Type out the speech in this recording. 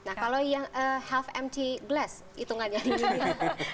nah kalau yang half empty glass itungannya di sini